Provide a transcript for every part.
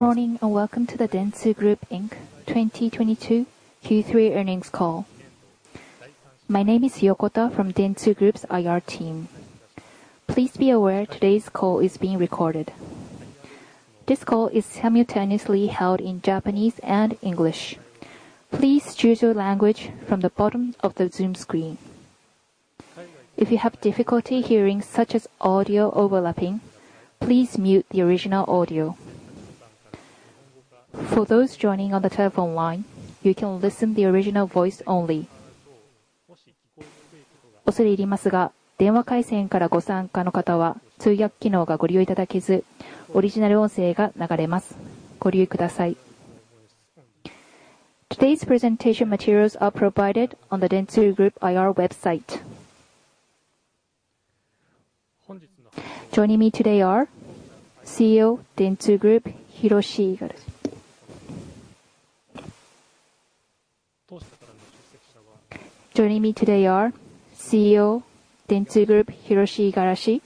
Good morning, and welcome to the Dentsu Group Inc. 2022 Q3 earnings call. My name is Yokota from Dentsu Group's IR team. Please be aware today's call is being recorded. This call is simultaneously held in Japanese and English. Please choose your language from the bottom of the Zoom screen. If you have difficulty hearing, such as audio overlapping, please mute the original audio. For those joining on the telephone line, you can listen to the original voice only. Today's presentation materials are provided on the Dentsu Group IR website. Joining me today are CEO, Dentsu Group, Hiroshi Igarashi.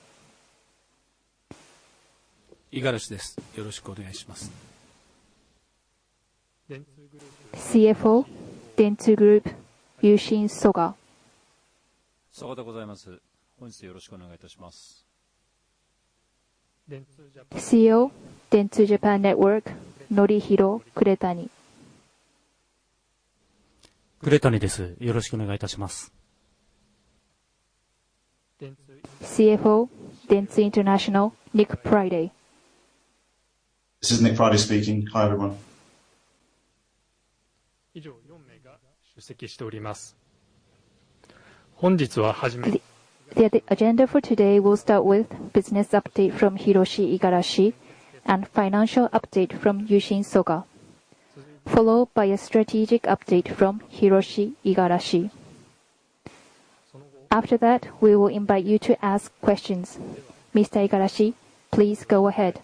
Igarashi. CFO, Dentsu Group, Yushin Soga. Soga. Dentsu Japan Network, Norihiro Kuretani. Kuretani. CFO, Dentsu International, Nick Priday. This is Nick Priday speaking. Hi, everyone. The agenda for today, we'll start with business update from Hiroshi Igarashi, and financial update from Yushin Soga, followed by a strategic update from Hiroshi Igarashi. After that, we will invite you to ask questions. Mr. Igarashi, please go ahead.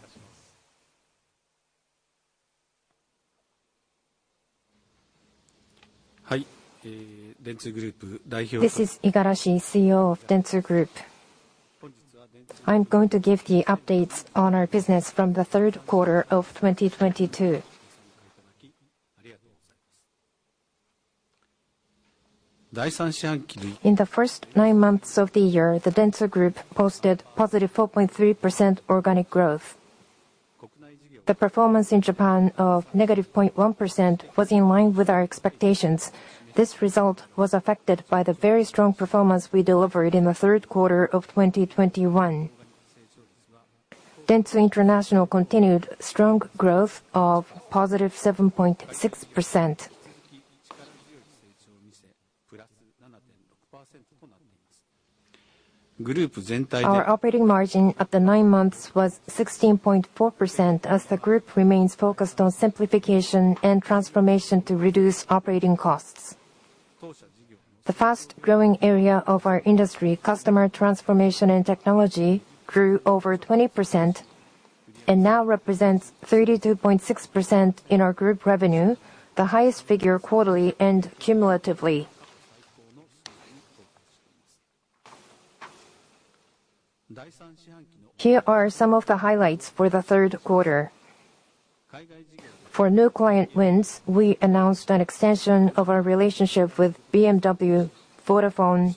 Hi. This is Hiroshi Igarashi, CEO of Dentsu Group. I'm going to give the updates on our business from the third quarter of 2022. In the first nine months of the year, the Dentsu Group posted +4.3% organic growth. The performance in Japan of -0.1% was in line with our expectations. This result was affected by the very strong performance we delivered in the third quarter of 2021. Dentsu International continued strong growth of +7.6%. Our operating margin at the nine months was 16.4% as the group remains focused on simplification and transformation to reduce operating costs. The fast-growing area of our industry, customer transformation and technology, grew over 20% and now represents 32.6% in our group revenue, the highest figure quarterly and cumulatively. Here are some of the highlights for the third quarter. For new client wins, we announced an extension of our relationship with BMW, Vodafone,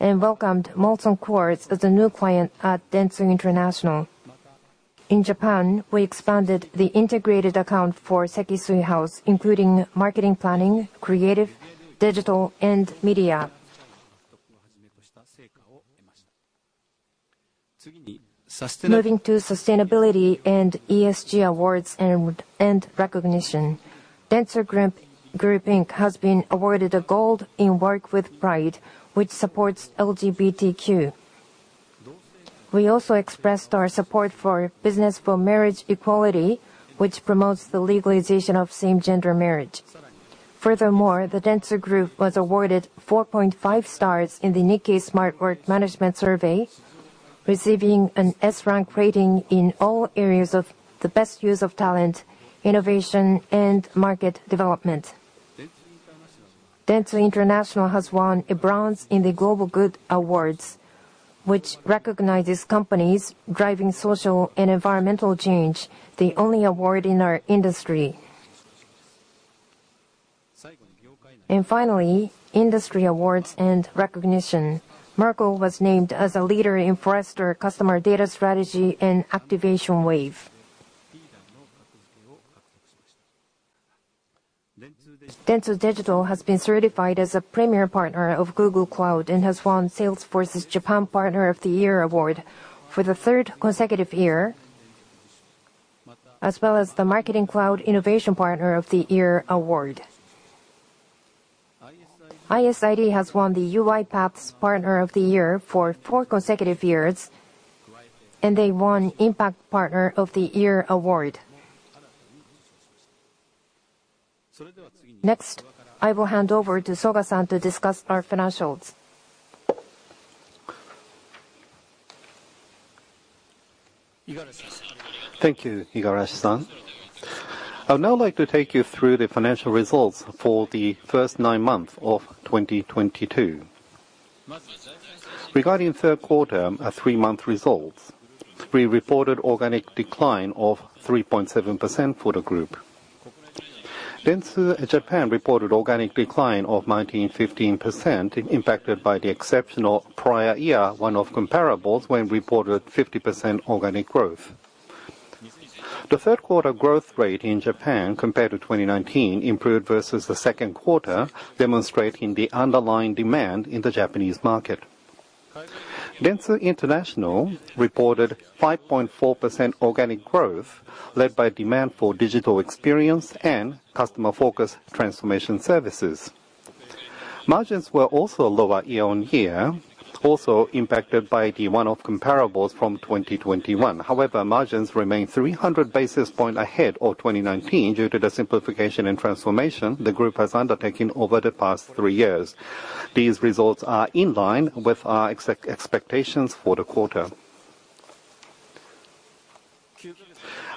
and welcomed Molson Coors as a new client at Dentsu International. In Japan, we expanded the integrated account for Sekisui House, including marketing planning, creative, digital, and media. Moving to sustainability and ESG awards and recognition. Dentsu Group Inc. has been awarded a gold in Work with Pride, which supports LGBTQ. We also expressed our support for Business for Marriage Equality, which promotes the legalization of same-sex marriage. Furthermore, the Dentsu Group was awarded 4.5 stars in the Nikkei Smart Work Management Survey, receiving an S rank rating in all areas of the best use of talent, innovation, and market development. Dentsu International has won a bronze in the Global Good Awards, which recognizes companies driving social and environmental change, the only award in our industry. Finally, industry awards and recognition. Merkle was named as a leader in the Forrester Wave: Customer Data Strategy and Activation Services. Dentsu Digital has been certified as a premier partner of Google Cloud and has won Salesforce's Japan Partner of the Year award for the third consecutive year, as well as the Marketing Cloud Innovation Partner of the Year award. ISID has won the UiPath's Partner of the Year for four consecutive years, and they won Impact Partner of the Year award. Next, I will hand over to Soga-san to discuss our financials. Thank you, Igarashi-san. I would now like to take you through the financial results for the first nine months of 2022. Regarding third quarter, our three-month results, we reported organic decline of 3.7% for the Dentsu Japan reported organic decline of 15.1% impacted by the exceptional prior year one-off comparables when we reported 50% organic growth. The third quarter growth rate in Japan compared to 2019 improved versus the second quarter, demonstrating the underlying demand in the Japanese market. Dentsu International reported 5.4% organic growth led by demand for digital experience and customer focus transformation services. Margins were also lower year-on-year, also impacted by the one-off comparables from 2021. However, margins remain 300 basis points ahead of 2019 due to the simplification and transformation the group has undertaken over the past three years. These results are in line with our expectations for the quarter.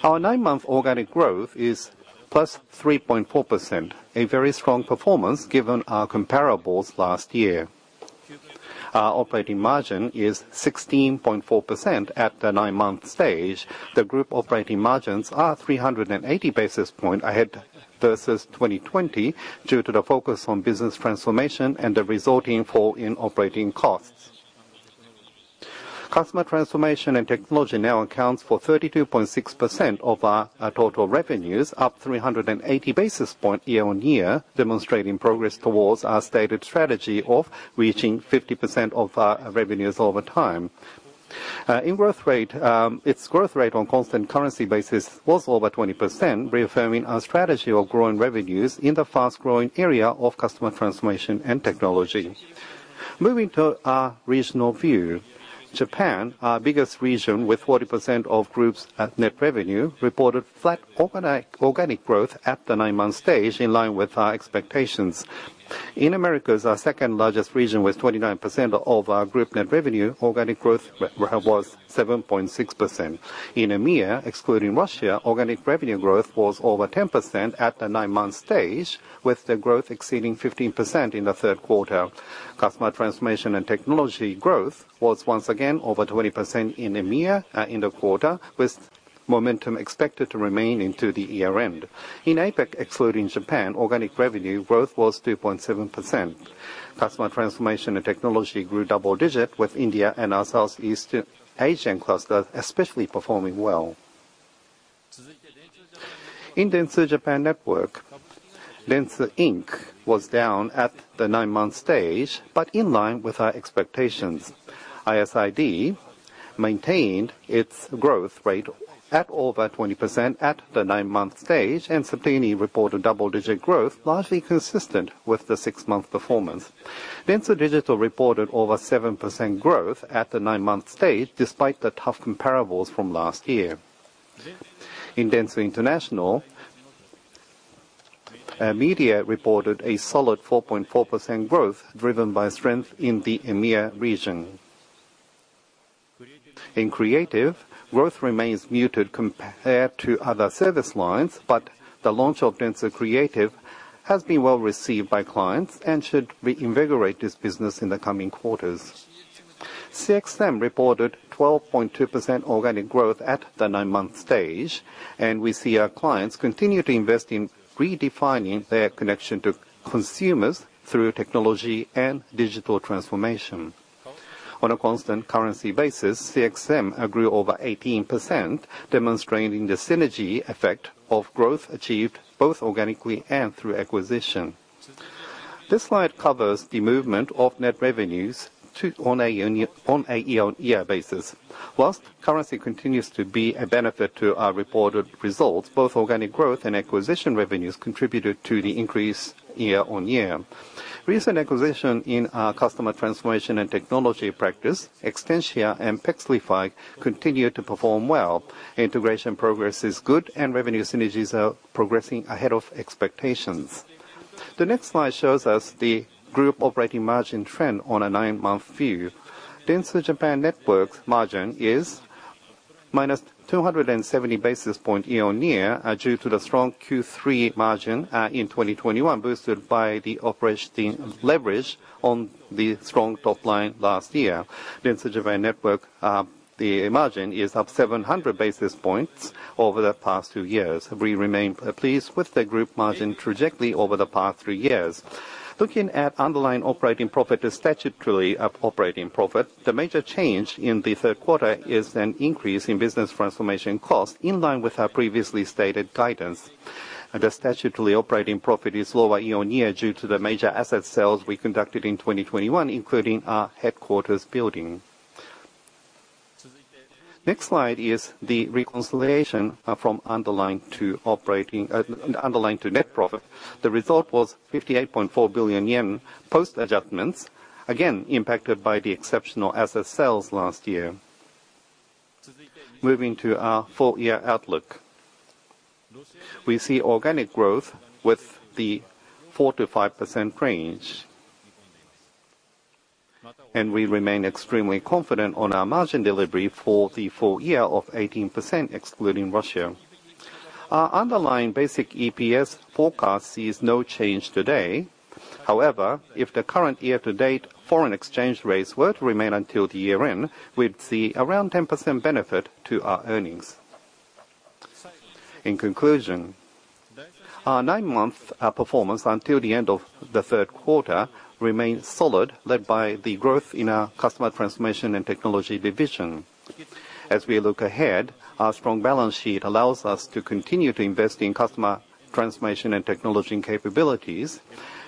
Our nine-month organic growth is +3.4%, a very strong performance given our comparables last year. Our operating margin is 16.4% at the nine-month stage. The group operating margins are 380 basis points ahead versus 2020 due to the focus on business transformation and the resulting fall in operating costs. Customer transformation and technology now accounts for 32.6% of our total revenues, up 380 basis points year on year, demonstrating progress towards our stated strategy of reaching 50% of our revenues over time. In growth rate, its growth rate on constant currency basis was over 20% reaffirming our strategy of growing revenues in the fast-growing area of customer transformation and technology. Moving to our regional view, Japan, our biggest region with 40% of group's net revenue, reported flat organic growth at the nine-month stage in line with our expectations. In Americas, our second-largest region with 29% of our group net revenue, organic growth was 7.6%. In EMEA, excluding Russia, organic revenue growth was over 10% at the nine-month stage, with the growth exceeding 15% in the third quarter. Customer Transformation & Technology growth was once again over 20% in EMEA in the quarter, with momentum expected to remain into the year end. In APAC, excluding Japan, organic revenue growth was 2.7%. Customer Transformation & Technology grew double-digit with India and our Southeast Asian cluster especially performing well. Dentsu Japan Network, Dentsu Inc. was down at the nine-month stage, but in line with our expectations. ISID maintained its growth rate at over 20% at the nine-month stage, and Sapient reported double-digit growth, largely consistent with the six-month performance. Dentsu Digital reported over 7% growth at the nine-month stage, despite the tough comparables from last year. In Dentsu International, media reported a solid 4.4% growth driven by strength in the EMEA region. In creative, growth remains muted compared to other service lines, but the launch of Dentsu Creative has been well received by clients and should reinvigorate this business in the coming quarters. CXM reported 12.2% organic growth at the nine-month stage, and we see our clients continue to invest in redefining their connection to consumers through technology and digital transformation. On a constant currency basis, CXM grew over 18%, demonstrating the synergy effect of growth achieved both organically and through acquisition. This slide covers the movement of net revenues on a year-on-year basis. While currency continues to be a benefit to our reported results, both organic growth and acquisition revenues contributed to the increase year-on-year. Recent acquisition in our customer transformation and technology practice, Extentia and Pexlify continue to perform well. Integration progress is good and revenue synergies are progressing ahead of expectations. The next slide shows the group operating margin trend on a nine-month Dentsu Japan Network margin is -270 basis points year-on-year, due to the strong Q3 margin in 2021, boosted by the operating leverage on the strong top line last Dentsu Japan Network, the margin is up 700 basis points over the past two years. We remain pleased with the group margin trajectory over the past three years. Looking at underlying operating profit to statutory operating profit, the major change in the third quarter is an increase in business transformation cost in line with our previously stated guidance. The statutory operating profit is lower year-on-year due to the major asset sales we conducted in 2021, including our headquarters building. Next slide is the reconciliation from underlying to operating, underlying to net profit. The result was 58.4 billion yen post adjustments. Again, impacted by the exceptional asset sales last year. Moving to our full-year outlook. We see organic growth in the 4%-5% range. We remain extremely confident on our margin delivery for the full year of 18%, excluding Russia. Our underlying basic EPS forecast sees no change today. However, if the current year-to-date foreign exchange rates were to remain until the year-end, we'd see around 10% benefit to our earnings. In conclusion, our nine-month performance until the end of the third quarter remains solid, led by the growth in our customer transformation and technology division. As we look ahead, our strong balance sheet allows us to continue to invest in customer transformation and technology capabilities,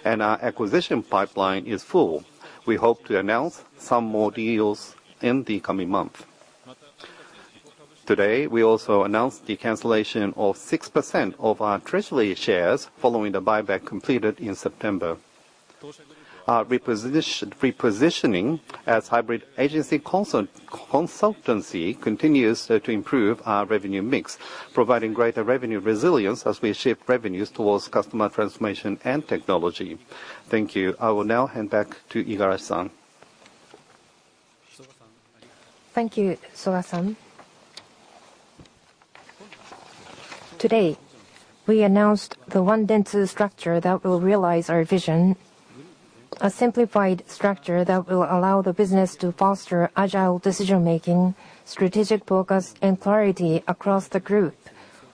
and our acquisition pipeline is full. We hope to announce some more deals in the coming month. Today, we also announced the cancellation of 6% of our treasury shares following the buyback completed in September. Our repositioning as hybrid agency consultancy continues to improve our revenue mix, providing greater revenue resilience as we shift revenues towards customer transformation and technology. Thank you. I will now hand back to Igarashi-san. Thank you, Soga-san. Today, we announced the One Dentsu structure that will realize our vision, a simplified structure that will allow the business to foster agile decision-making, strategic focus, and clarity across the group,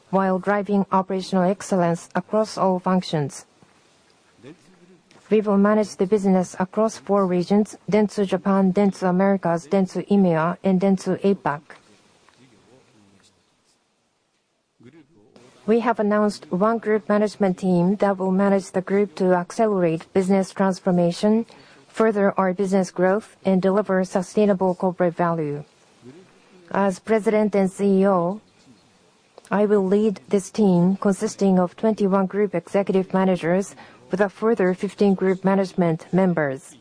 while driving operational excellence across all functions. We will manage the business across four Dentsu Japan, Dentsu Americas, Dentsu EMEA, and Dentsu APAC. We have announced one group management team that will manage the group to accelerate business transformation, further our business growth, and deliver sustainable corporate value. As President and CEO, I will lead this team consisting of 21 group executive managers with a further 15-group management members.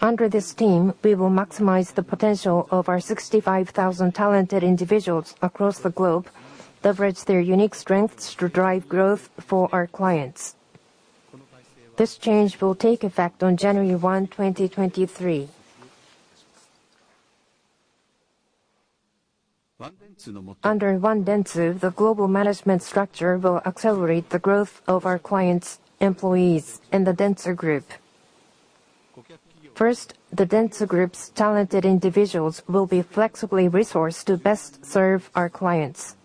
Under this team, we will maximize the potential of our 65,000 talented individuals across the globe, leverage their unique strengths to drive growth for our clients. This change will take effect on January 1, 2023. Under One Dentsu, the global management structure will accelerate the growth of our clients, employees, and the Dentsu Group. First, the Dentsu Group's talented individuals will be flexibly resourced to best serve our clients.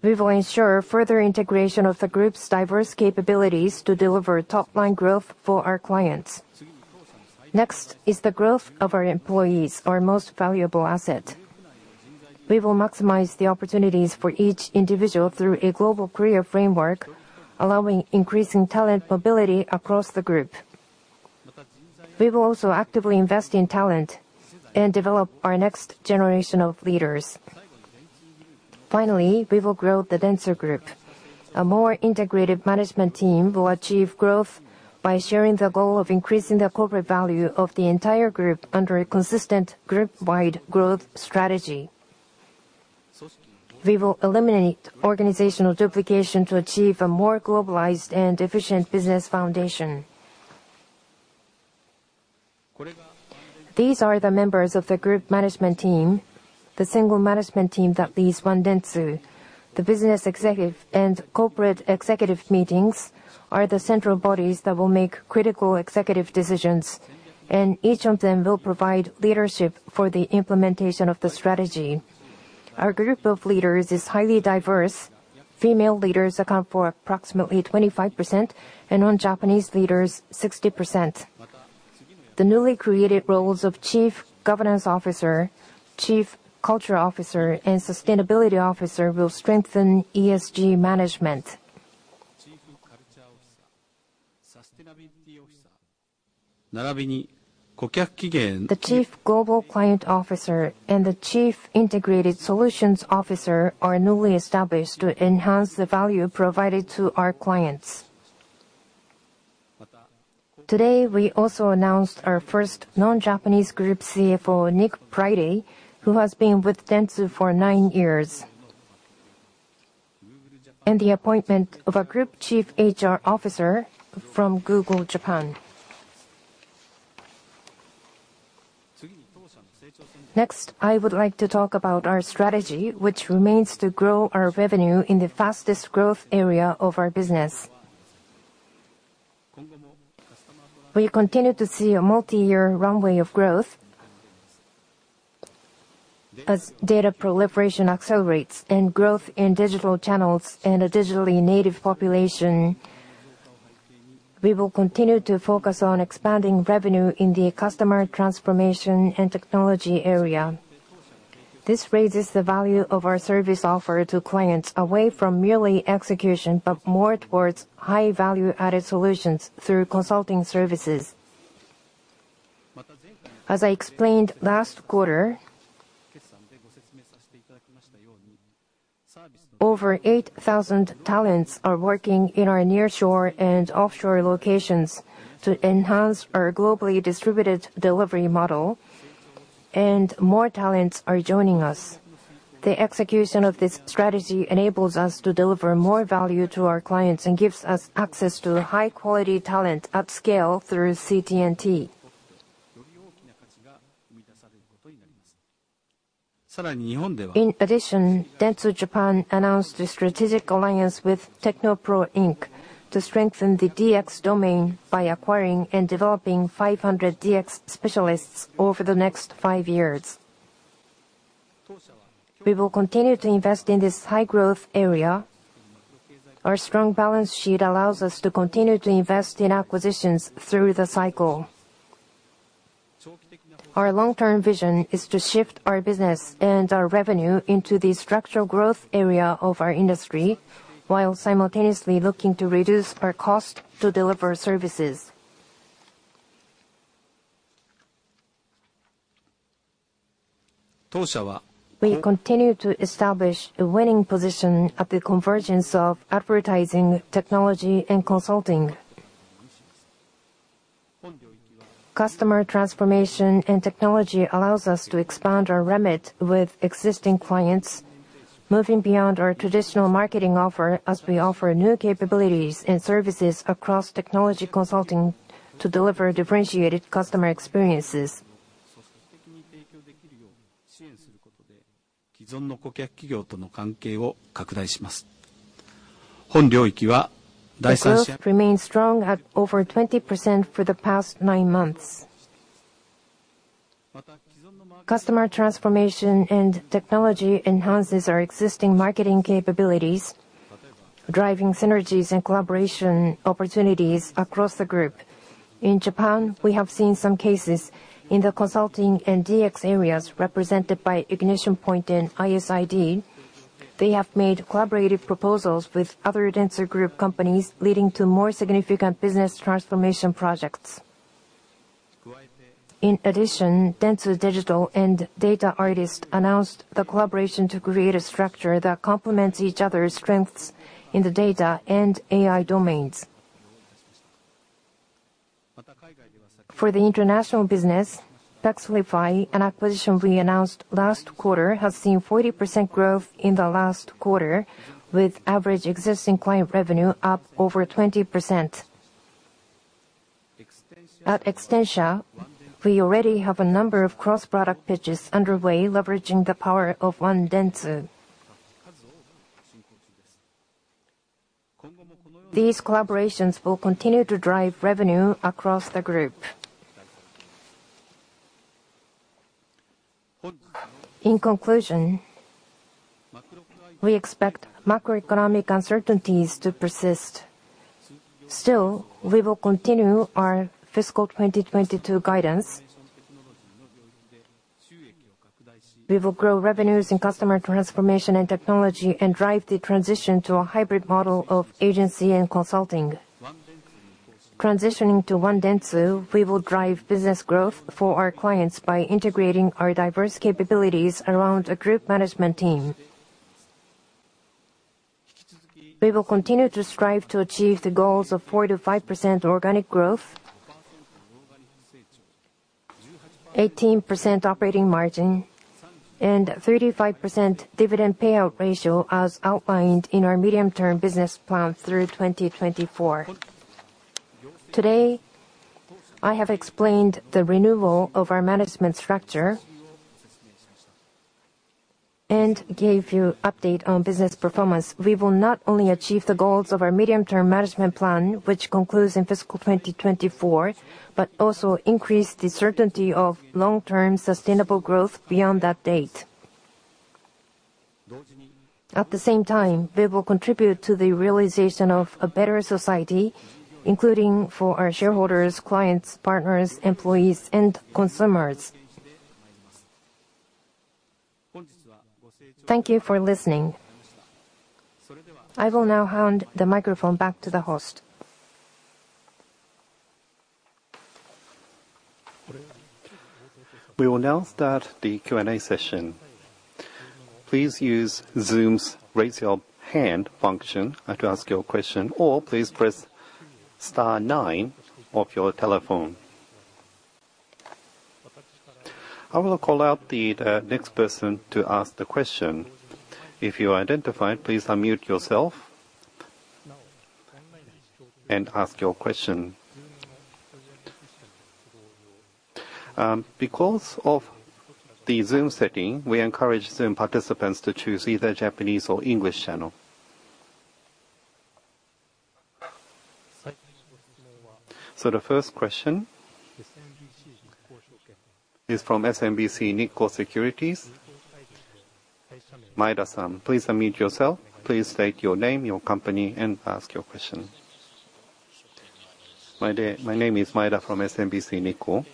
We will ensure further integration of the group's diverse capabilities to deliver top-line growth for our clients. Next is the growth of our employees, our most valuable asset. We will maximize the opportunities for each individual through a global career framework, allowing increasing talent mobility across the group. We will also actively invest in talent and develop our next generation of leaders. Finally, we will grow the Dentsu Group. A more integrated management team will achieve growth by sharing the goal of increasing the corporate value of the entire group under a consistent group-wide growth strategy. We will eliminate organizational duplication to achieve a more globalized and efficient business foundation. These are the members of the group management team, the single management team that leads One Dentsu. The business executive and corporate executive meetings are the central bodies that will make critical executive decisions, and each of them will provide leadership for the implementation of the strategy. Our group of leaders is highly diverse. Female leaders account for approximately 25%, and non-Japanese leaders, 60%. The newly created roles of Chief Governance Officer, Chief Culture Officer, and Sustainability Officer will strengthen ESG management. The Chief Global Client Officer and the Chief Integrated Solutions Officer are newly established to enhance the value provided to our clients. Today, we also announced our first non-Japanese group CFO, Nick Priday, who has been with Dentsu for nine years, and the appointment of a group chief HR officer from Google Japan. Next, I would like to talk about our strategy, which remains to grow our revenue in the fastest growth area of our business. We continue to see a multiyear runway of growth as data proliferation accelerates and growth in digital channels and a digitally native population. We will continue to focus on expanding revenue in the customer transformation and technology area. This raises the value of our service offer to clients away from merely execution, but more towards high value-added solutions through consulting services. As I explained last quarter, over 8,000 talents are working in our nearshore and offshore locations to enhance our globally distributed delivery model, and more talents are joining us. The execution of this strategy enables us to deliver more value to our clients and gives us access to high quality talent at scale through CT&T. In Dentsu Japan announced a strategic alliance with TechnoPro, Inc. To strengthen the DX domain by acquiring and developing 500 DX specialists over the next five years. We will continue to invest in this high growth area. Our strong balance sheet allows us to continue to invest in acquisitions through the cycle. Our long-term vision is to shift our business and our revenue into the structural growth area of our industry, while simultaneously looking to reduce our cost to deliver services. We continue to establish a winning position at the convergence of advertising, technology, and consulting. Customer transformation and technology allows us to expand our remit with existing clients, moving beyond our traditional marketing offer as we offer new capabilities and services across technology consulting to deliver differentiated customer experiences. The growth remains strong at over 20% for the past 9 months. Customer transformation and technology enhances our existing marketing capabilities, driving synergies and collaboration opportunities across the group. In Japan, we have seen some cases in the consulting and DX areas represented by Ignition Point and ISID. They have made collaborative proposals with other Dentsu Group companies, leading to more significant business transformation projects. In addition, Dentsu Digital and Data Artist announced the collaboration to create a structure that complements each other's strengths in the data and AI domains. For the international business, Pexlify, an acquisition we announced last quarter, has seen 40% growth in the last quarter, with average existing client revenue up over 20%. At Extentia, we already have a number of cross-product pitches underway leveraging the power of One Dentsu. These collaborations will continue to drive revenue across the group. In conclusion, we expect macroeconomic uncertainties to persist. Still, we will continue our fiscal 2022 guidance. We will grow revenues in customer transformation and technology and drive the transition to a hybrid model of agency and consulting. Transitioning to One Dentsu, we will drive business growth for our clients by integrating our diverse capabilities around a group management team. We will continue to strive to achieve the goals of 4%-5% organic growth, 18% operating margin, and 35% dividend payout ratio as outlined in our medium-term business plan through 2024. Today, I have explained the renewal of our management structure and gave you an update on business performance. We will not only achieve the goals of our medium-term management plan, which concludes in fiscal 2024, but also increase the certainty of long-term sustainable growth beyond that date. At the same time, we will contribute to the realization of a better society, including for our shareholders, clients, partners, employees, and consumers. Thank you for listening. I will now hand the microphone back to the host. We will now start the Q&A session. Please use Zoom's Raise Your Hand function to ask your question, or please press star nine of your telephone. I will call out the next person to ask the question. If you're identified, please unmute yourself and ask your question. Because of the Zoom setting, we encourage Zoom participants to choose either Japanese or English channel. The first question is from SMBC Nikko Securities, Maeda-san. Please unmute yourself. Please state your name, your company, and ask your question. My name is Maeda from SMBC Nikko.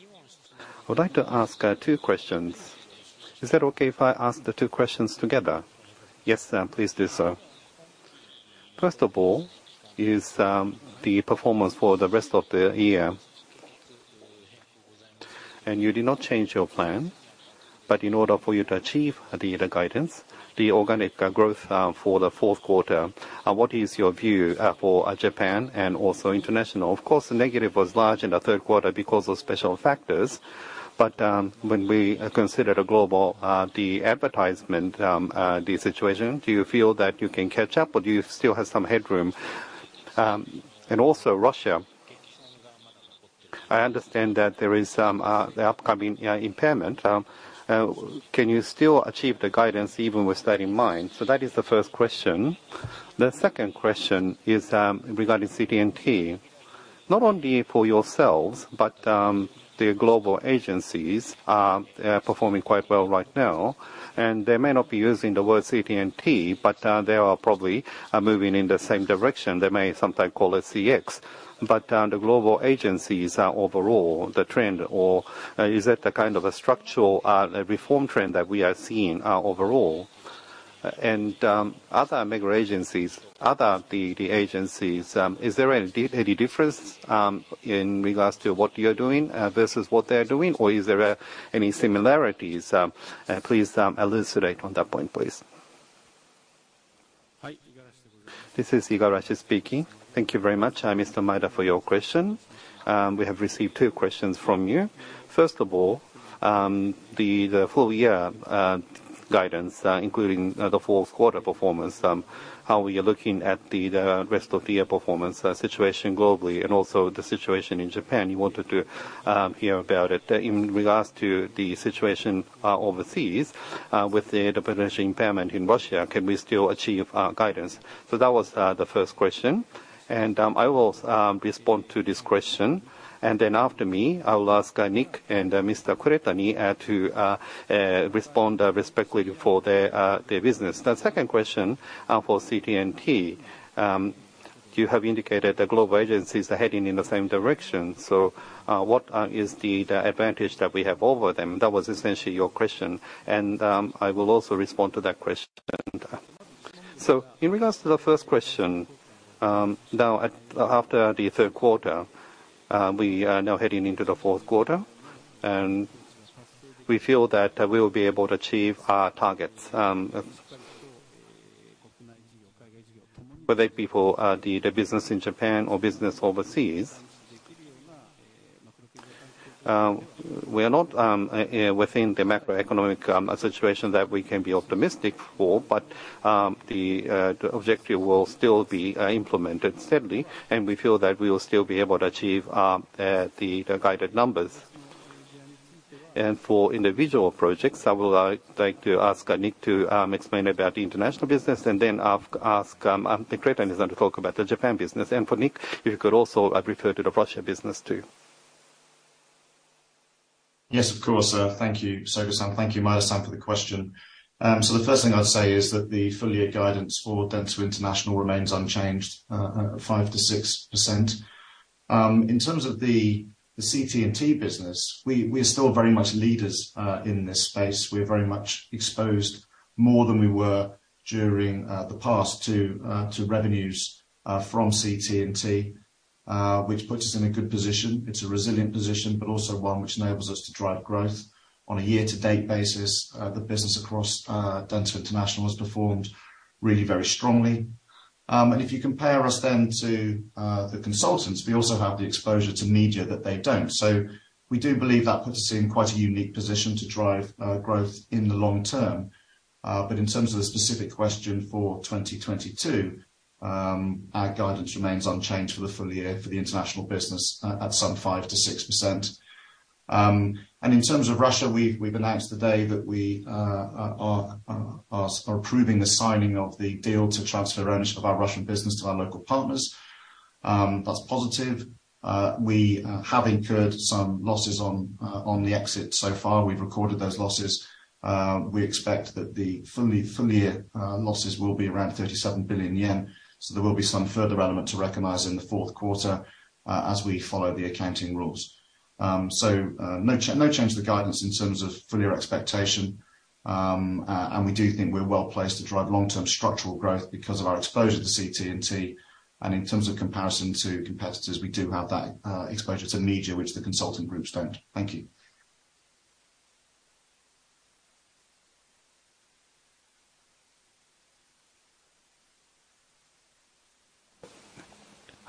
I would like to ask two questions. Is that okay if I ask the two questions together? Yes, sir. Please do so. First of all is the performance for the rest of the year. You did not change your plan, but in order for you to achieve the guidance, the organic growth for the fourth quarter, what is your view for Japan and also international? Of course, the negative was large in the third quarter because of special factors, but when we consider the global advertising situation, do you feel that you can catch up or do you still have some headroom? And also Russia. I understand that there is some the upcoming impairment. Can you still achieve the guidance even with that in mind? That is the first question. The second question is regarding CT&T. Not only for yourselves, but the global agencies are performing quite well right now. They may not be using the word CT&T, but they are probably moving in the same direction. They may sometimes call it CX. The global agencies are overall the trend, or is that the kind of a structural reform trend that we are seeing overall? Other mega agencies, other DD agencies, is there any difference in regards to what you're doing versus what they're doing? Or is there any similarities? Please elucidate on that point, please. This is Igarashi speaking. Thank you very much, Mr. Maeda, for your question. We have received two questions from you. First of all, the full year guidance, including the fourth quarter performance, how we are looking at the rest of the year performance situation globally and also the situation in Japan. You wanted to hear about it. In regards to the situation overseas, with the potential impairment in Russia, can we still achieve our guidance? That was the first question, and I will respond to this question. Then after me, I will ask Nick and Mr. Kuretani to respond respectively for their business. The second question for CT&T, you have indicated the global agencies are heading in the same direction. What is the advantage that we have over them? That was essentially your question, and I will also respond to that question. In regards to the first question, now, after the third quarter, we are now heading into the fourth quarter. We feel that we will be able to achieve our targets, whether it be for the business in Japan or business overseas. We are not within the macroeconomic situation that we can be optimistic for. The objective will still be implemented steadily, and we feel that we will still be able to achieve the guided numbers. For individual projects, I would like to ask Nick to explain about the international business and then ask Mr. Kuretani to talk about the Japan business. For Nick, if you could also refer to the Russia business too. Yes, of course. Thank you, Soga-san. Thank you Maeda-san for the question. The first thing I'd say is that the full year guidance for Dentsu International remains unchanged, 5%-6%. In terms of the CT&T business, we are still very much leaders in this space. We are very much exposed more than we were during the past to revenues from CT&T, which puts us in a good position. It's a resilient position, but also one which enables us to drive growth. On a year-to-date basis, the business across Dentsu International has performed really very strongly. If you compare us then to the consultants, we also have the exposure to media that they don't. We do believe that puts us in quite a unique position to drive growth in the long term. In terms of the specific question for 2022, our guidance remains unchanged for the full year for the international business at some 5%-6%. In terms of Russia, we've announced today that we are approving the signing of the deal to transfer ownership of our Russian business to our local partners. That's positive. We have incurred some losses on the exit so far. We've recorded those losses. We expect that the full year losses will be around 37 billion yen. There will be some further element to recognize in the fourth quarter as we follow the accounting rules. No change to the guidance in terms of full year expectation. We do think we're well-placed to drive long-term structural growth because of our exposure to CT&T. In terms of comparison to competitors, we do have that exposure to media which the consulting groups don't. Thank you.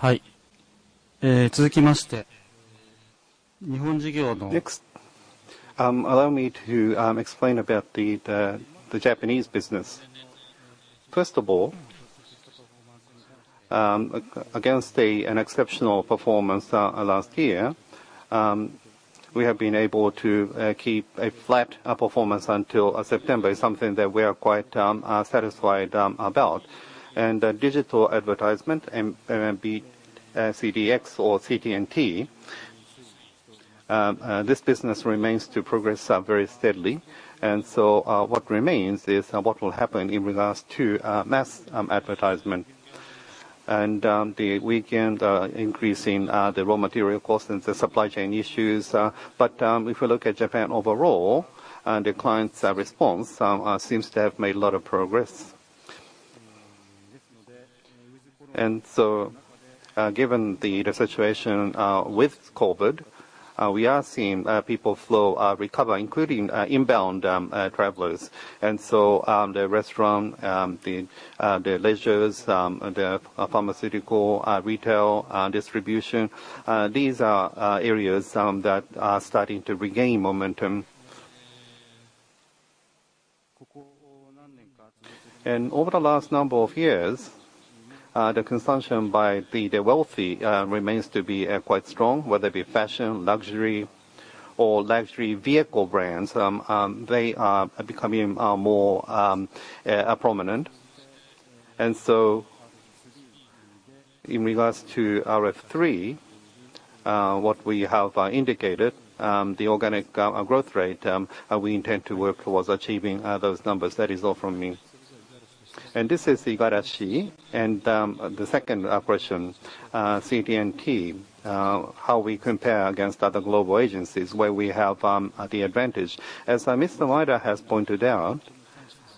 Next, allow me to explain about the Japanese business. First of all, against an exceptional performance last year, we have been able to keep a flat performance until September is something that we are quite satisfied about. Digital advertisement and DX or CT&T, this business remains to progress very steadily. What remains is what will happen in regards to mass advertisement. The recent increase in the raw material costs and the supply chain issues. If we look at Japan overall, the client's response seems to have made a lot of progress. Given the situation with COVID, we are seeing people flow recover, including inbound travelers. The restaurant, the leisure, the pharmaceutical, retail, distribution, these are areas that are starting to regain momentum. Over the last number of years, the consumption by the wealthy remains to be quite strong, whether it be fashion, luxury or luxury vehicle brands. They are becoming more prominent. In regards to F 20Y23, what we have indicated, the organic growth rate, we intend to work towards achieving those numbers. That is all from me. This is Igarashi. The second question, CT&T, how we compare against other global agencies where we have the advantage. As Mr. Maeda has pointed out,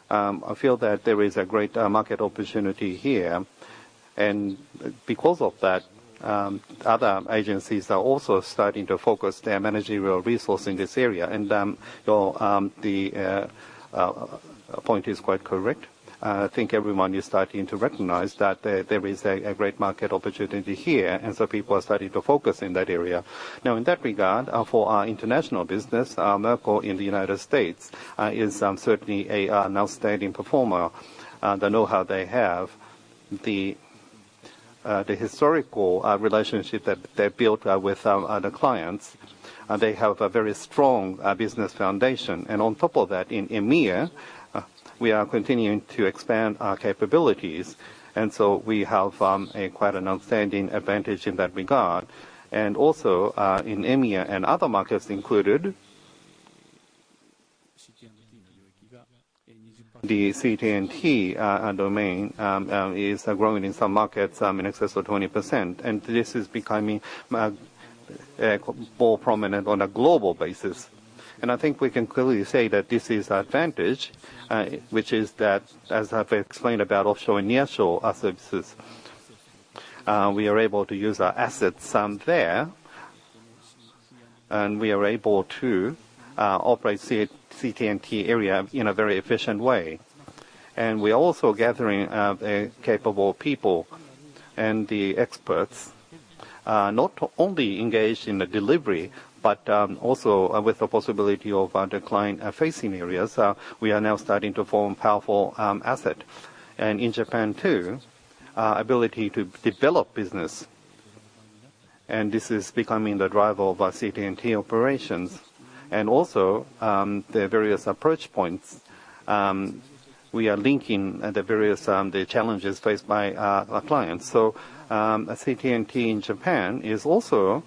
I feel that there is a great market opportunity here. Because of that, other agencies are also starting to focus their managerial resource in this area. The point is quite correct. I think everyone is starting to recognize that there is a great market opportunity here, and so people are starting to focus in that area. Now, in that regard, for our international business, Merkle in the United States is certainly an outstanding performer. The know-how they have, the historical relationship that they've built with other clients, they have a very strong business foundation. On top of that, in EMEA, we are continuing to expand our capabilities. We have quite an outstanding advantage in that regard. In EMEA and other markets included, the CT&T domain is growing in some markets in excess of 20%. This is becoming more prominent on a global basis. I think we can clearly say that this is advantage which is that, as I've explained about offshore and nearshore services, we are able to use our assets there, and we are able to operate CT&T area in a very efficient way. We're also gathering capable people and the experts not only engaged in the delivery, but also with the possibility of the client-facing areas. We are now starting to form powerful asset. In Japan too ability to develop business, and this is becoming the driver of our CT&T operations. The various approach points, we are linking the various challenges faced by our clients. CT&T in Japan is also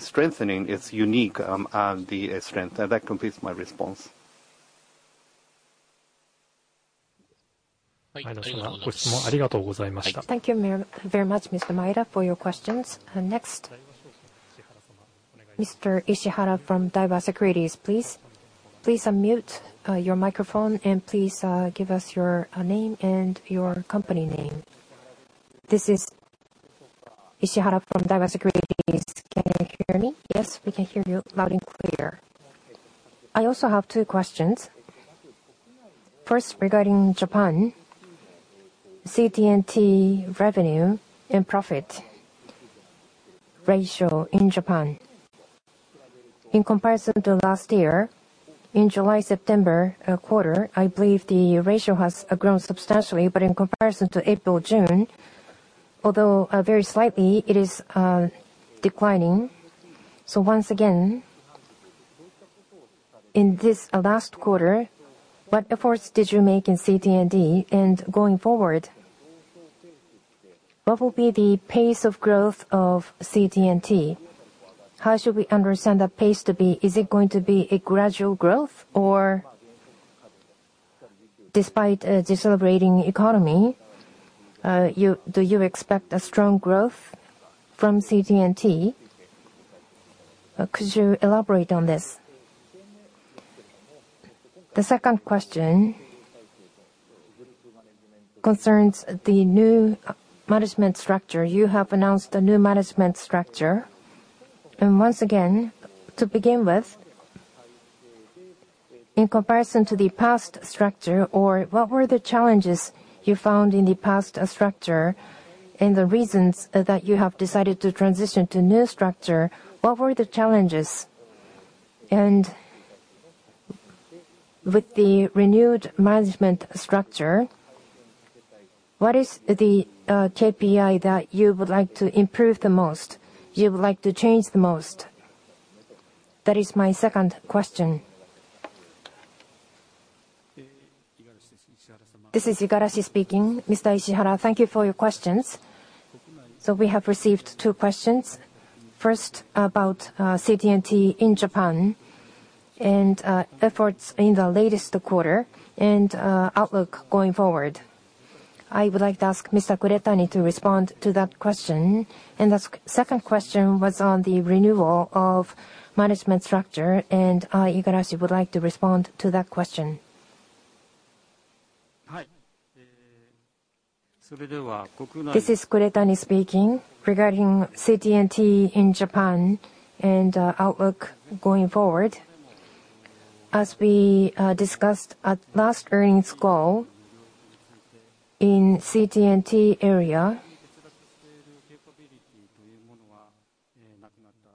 strengthening its unique strength. That completes my response. Thank you very much, Mr. Maeda, for your questions. Next, Mr. Ishihara from Daiwa Securities, please. Please unmute your microphone, and please give us your name and your company name. This is Ishihara from Daiwa Securities. Can you hear me? Yes, we can hear you loud and clear. I also have two questions. First, regarding Japan CT&T revenue and profit ratio in Japan. In comparison to last year, in July-September quarter, I believe the ratio has grown substantially. In comparison to April-June, although very slightly, it is declining. Once again, in this last quarter, what efforts did you make in CT&T? And going forward, what will be the pace of growth of CT&T? How should we understand that pace to be? Is it going to be a gradual growth? Or despite a decelerating economy, you expect a strong growth from CT&T? Could you elaborate on this? The second question concerns the new management structure. You have announced a new management structure. Once again, to begin with, in comparison to the past structure or what were the challenges you found in the past structure and the reasons that you have decided to transition to new structure, what were the challenges? With the renewed management structure, what is the KPI that you would like to improve the most, you would like to change the most? That is my second question. This is Igarashi speaking. Mr. Ishihara, thank you for your questions. We have received two questions. First, about CT&T in Japan and efforts in the latest quarter and outlook going forward. I would like to ask Mr. Kuretani to respond to that question. The second question was on the renewal of management structure, and Igarashi would like to respond to that question. This is Kuretani speaking. Regarding CT&T in Japan and outlook going forward, as we discussed at last earnings call, in CT&T area,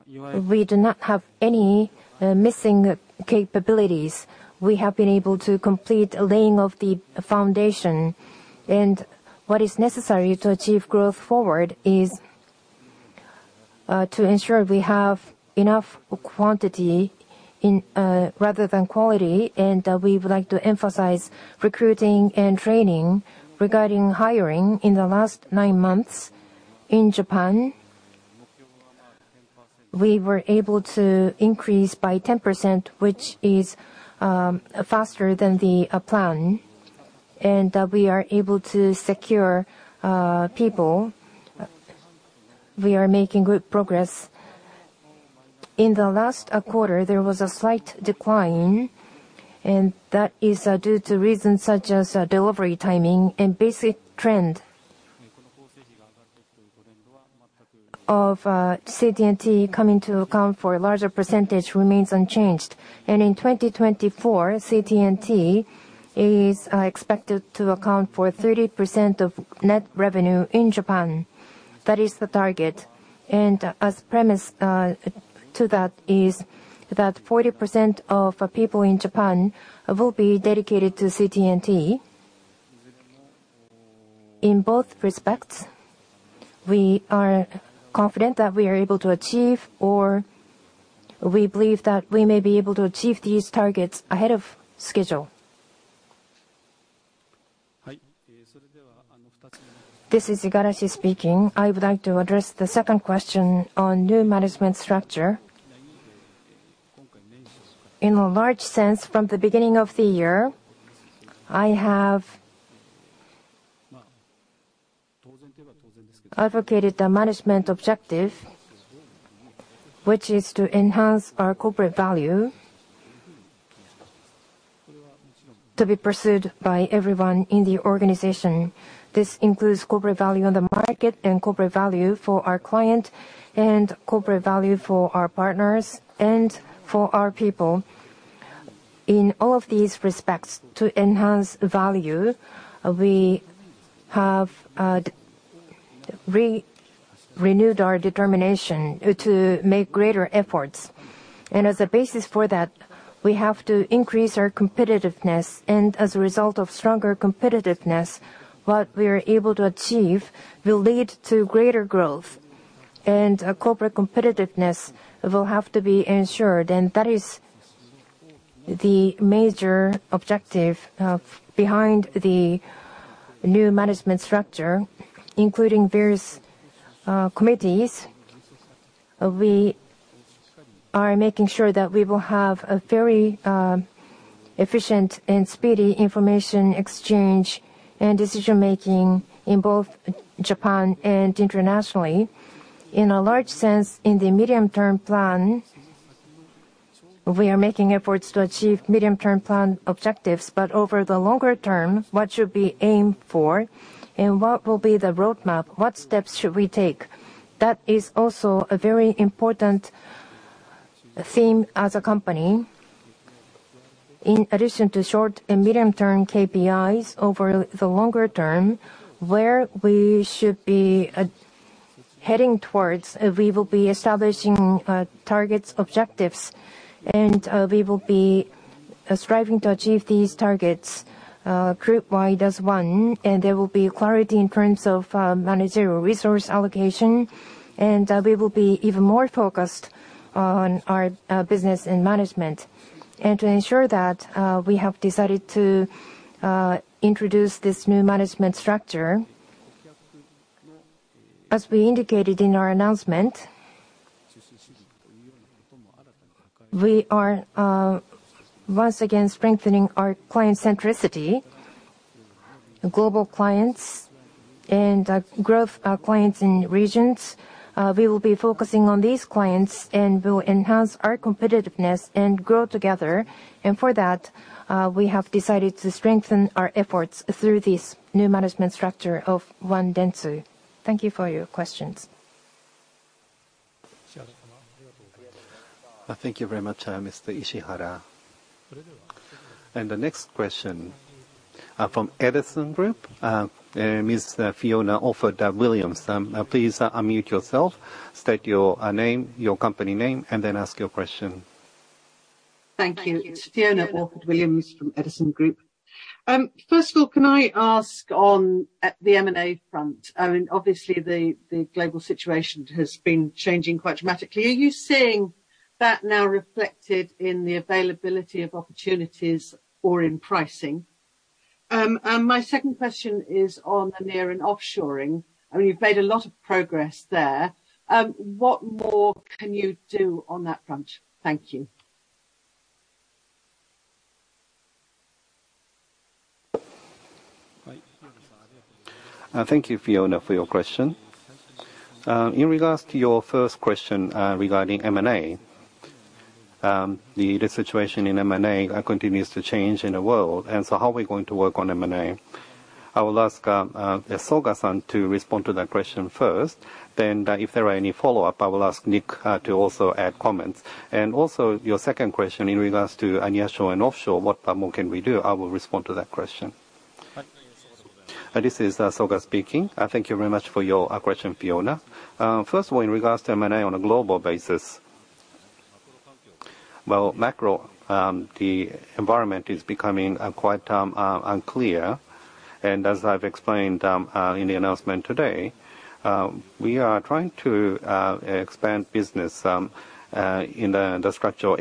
we do not have any missing capabilities. We have been able to complete laying of the foundation. What is necessary to achieve growth forward is to ensure we have enough quantity in rather than quality, and we would like to emphasize recruiting and training. Regarding hiring, in the last nine months in Japan, we were able to increase by 10%, which is faster than the plan. We are able to secure people. We are making good progress. In the last quarter, there was a slight decline, and that is due to reasons such as delivery timing and basic trend of CT&T coming to account for a larger percentage remains unchanged. In 2024, CT&T is expected to account for 30% of net revenue in Japan. That is the target. As premise to that is that 40% of people in Japan will be dedicated to CT&T. In both respects, we are confident that we are able to achieve or we believe that we may be able to achieve these targets ahead of schedule. This is Igarashi speaking. I would like to address the second question on new management structure. In a large sense, from the beginning of the year, I have advocated the management objective, which is to enhance our corporate value to be pursued by everyone in the organization. This includes corporate value on the market, and corporate value for our client, and corporate value for our partners and for our people. In all of these respects, to enhance value, we have renewed our determination to make greater efforts. As a basis for that, we have to increase our competitiveness, and as a result of stronger competitiveness, what we are able to achieve will lead to greater growth. Corporate competitiveness will have to be ensured, and that is the major objective behind the new management structure, including various committees. We are making sure that we will have a very efficient and speedy information exchange and decision-making in both Japan and internationally. In a large sense, in the medium-term plan, we are making efforts to achieve medium-term plan objectives, but over the longer term, what should we aim for, and what will be the roadmap? What steps should we take? That is also a very important theme as a company. In addition to short and medium-term KPIs, over the longer term, where we should be heading towards, we will be establishing targets objectives. We will be striving to achieve these targets group-wide as one, and there will be clarity in terms of managerial resource allocation. We will be even more focused on our business and management. To ensure that, we have decided to introduce this new management structure. As we indicated in our announcement, we are once again strengthening our client centricity, global clients and grow our clients in regions. We will be focusing on these clients and will enhance our competitiveness and grow together. For that, we have decided to strengthen our efforts through this new management structure of One Dentsu. Thank you for your questions. Thank you very much, Mr. Ishihara. The next question from Edison Group, Ms. Fiona Orford-Williams. Please unmute yourself, state your name, your company name, and then ask your question. Thank you. It's Fiona Orford-Williams from Edison Group. First of all, can I ask on, at the M&A front, I mean, obviously the global situation has been changing quite dramatically. Are you seeing that now reflected in the availability of opportunities or in pricing? My second question is on the near and offshoring. I mean, you've made a lot of progress there. What more can you do on that front? Thank you. Thank you, Fiona, for your question. In regards to your first question, regarding M&A. The situation in M&A continues to change in the world, and so how are we going to work on M&A? I will ask Soga-san to respond to that question first, then if there are any follow-up, I will ask Nick to also add comments. Also your second question in regards to onshore and offshore, what more can we do? I will respond to that question. This is Soga speaking. Thank you very much for your question, Fiona. First of all, in regards to M&A on a global basis. Well, the macro environment is becoming quite unclear. As I've explained in the announcement today, we are trying to expand business in the structural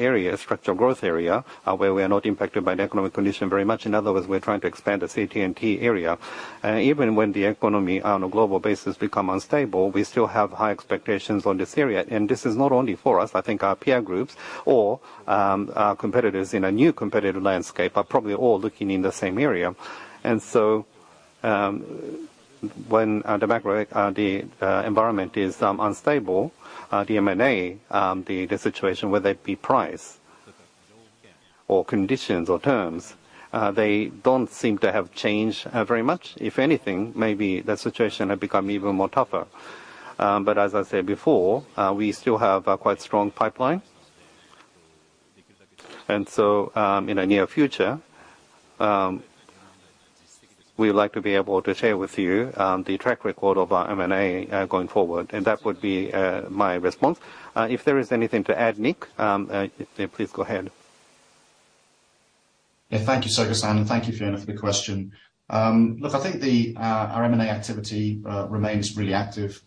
growth area where we are not impacted by the economic condition very much. In other words, we're trying to expand the CT&T area. Even when the economy on a global basis become unstable, we still have high expectations on this area. This is not only for us. I think our peer groups or our competitors in a new competitive landscape are probably all looking in the same area. When the macro environment is unstable, the M&A situation whether it be price or conditions or terms they don't seem to have changed very much. If anything, maybe the situation have become even more tougher. As I said before, we still have a quite strong pipeline. In the near future, we would like to be able to share with you the track record of our M&A going forward. That would be my response. If there is anything to add, Nick, please go ahead. Thank you, Soga-san, and thank you Fiona for the question. Look, I think our M&A activity remains really active.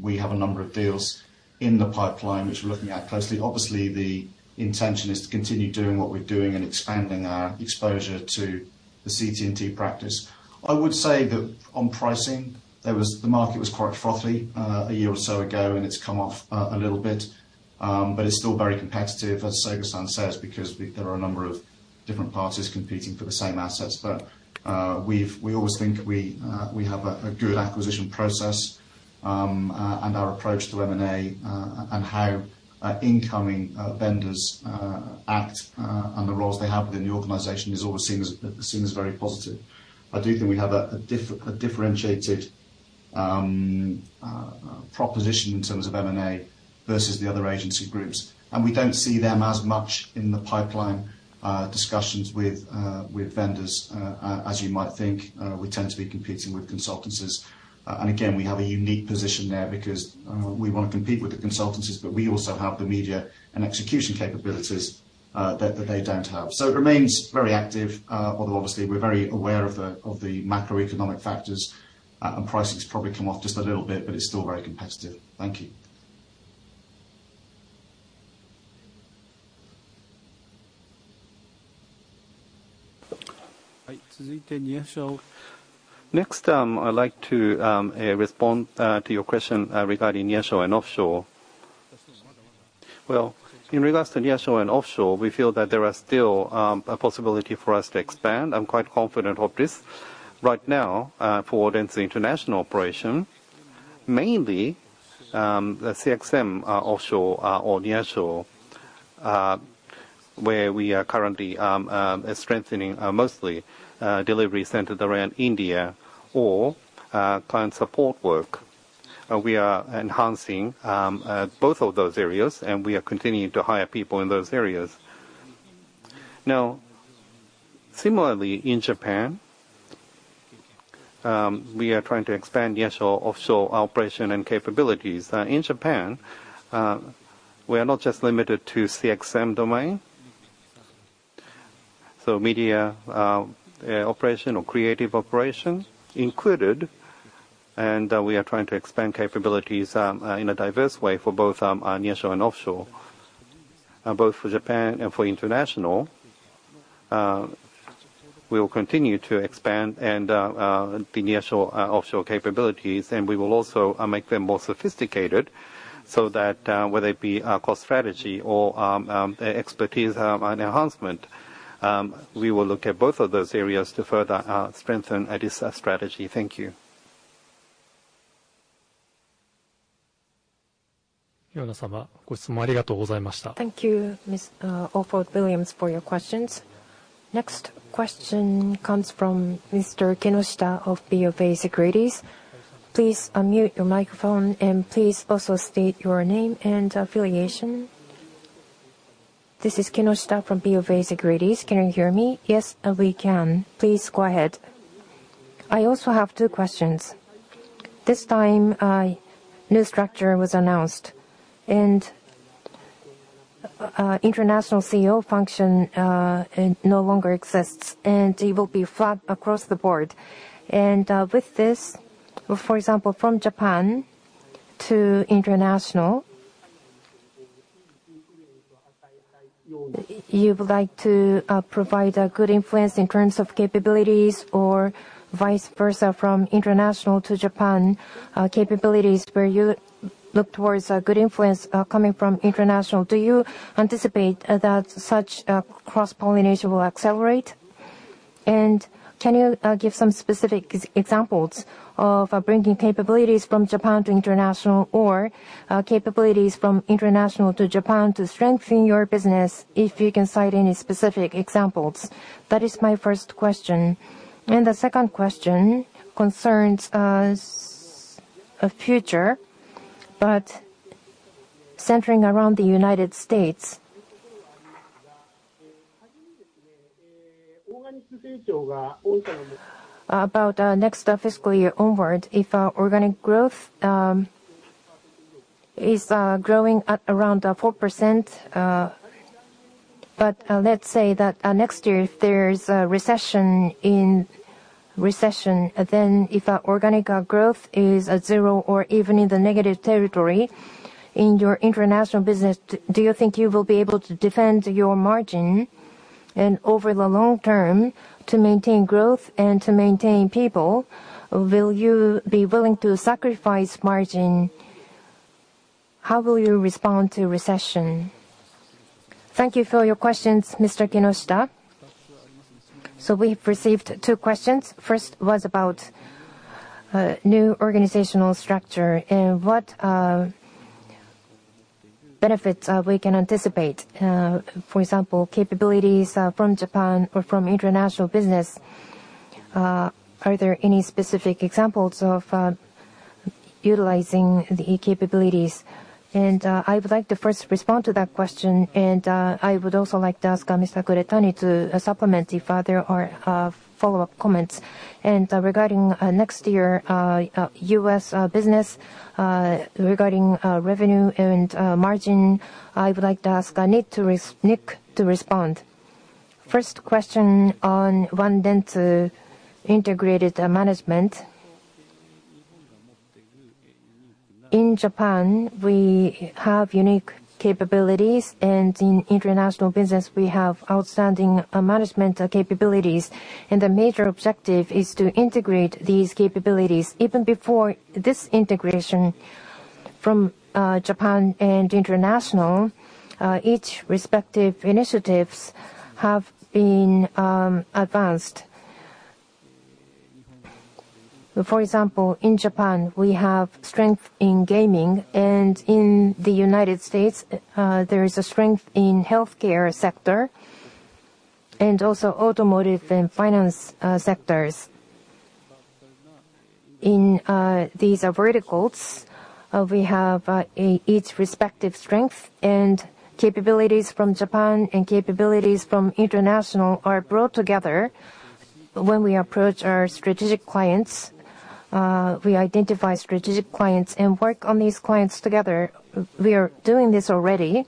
We have a number of deals in the pipeline which we're looking at closely. Obviously, the intention is to continue doing what we're doing and expanding our exposure to the CT&T practice. I would say that on pricing, the market was quite frothy a year or so ago, and it's come off a little bit. It's still very competitive, as Soga-san says, because there are a number of different parties competing for the same assets. We always think we have a good acquisition process. Our approach to M&A and how incoming vendors act on the roles they have within the organization is always seen as very positive. I do think we have a differentiated proposition in terms of M&A versus the other agency groups. We don't see them as much in the pipeline discussions with vendors as you might think. We tend to be competing with consultancies. We have a unique position there because we wanna compete with the consultancies, but we also have the media and execution capabilities that they don't have. It remains very active. Although obviously we're very aware of the macroeconomic factors and pricing's probably come off just a little bit, but it's still very competitive. Thank you. Next, I'd like to respond to your question regarding nearshore and offshore. Well, in regards to nearshore and offshore, we feel that there are still a possibility for us to expand. I'm quite confident of this. Right now, for Dentsu International operation, mainly, the CXM, offshore or nearshore, where we are currently strengthening, mostly delivery centered around India or client support work. We are enhancing both of those areas, and we are continuing to hire people in those areas. Now, similarly, in Japan, we are trying to expand nearshore, offshore operation and capabilities. In Japan, we are not just limited to CXM domain. Media operation or creative operation included, and we are trying to expand capabilities in a diverse way for both nearshore and offshore both for Japan and for international. We will continue to expand and the nearshore offshore capabilities, and we will also make them more sophisticated so that whether it be across strategy or expertise and enhancement we will look at both of those areas to further strengthen this strategy. Thank you. Thank you, Ms. Orford-Williams, for your questions. Next question comes from Mr. Kinoshita of BofA Securities. Please unmute your microphone, and please also state your name and affiliation. This is Kinoshita from BofA Securities. Can you hear me? Yes, we can. Please go ahead. I also have two questions. This time, a new structure was announced and international CEO function no longer exists, and it will be flat across the board. With this, for example, from Japan to international, you would like to provide a good influence in terms of capabilities or vice versa from international to Japan capabilities where you look towards a good influence coming from international. Do you anticipate that such cross-pollination will accelerate? Can you give some specific examples of bringing capabilities from Japan to international, or capabilities from international to Japan to strengthen your business, if you can cite any specific examples? That is my first question. The second question concerns the future, but centering around the United States. About next fiscal year onward, if organic growth is growing at around 4%. But let's say that next year if there's a recession, then if our organic growth is at zero or even in the negative territory in your international business, do you think you will be able to defend your margin? Over the long term to maintain growth and to maintain people, will you be willing to sacrifice margin? How will you respond to recession? Thank you for your questions, Mr. Kinoshita. We've received two questions. First was about new organizational structure and what benefits we can anticipate. For example, capabilities from Japan or from international business. Are there any specific examples of utilizing the capabilities? I would like to first respond to that question, and I would also like to ask Mr. Kuretani to supplement if there are follow-up comments. I would like to ask Nick to respond regarding next year U.S. business regarding revenue and margin. First question on Dentsu integrated management. In Japan, we have unique capabilities, and in international business we have outstanding management capabilities, and the major objective is to integrate these capabilities. Even before this integration from Japan and international, each respective initiatives have been advanced. For example, in Japan, we have strength in gaming, and in the United States, there is a strength in healthcare sector, and also automotive and finance sectors. In these verticals, we have each respective strength and capabilities from Japan and capabilities from international are brought together. When we approach our strategic clients, we identify strategic clients and work on these clients together. We are doing this already,